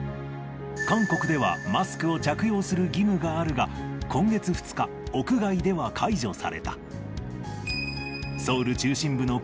韓国では、マスクを着用する義務があるが、今月２日、屋外では解除された。